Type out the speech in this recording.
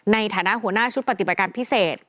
ในฐานะหัวหน้าชุดปฏิบัติการพิเศษ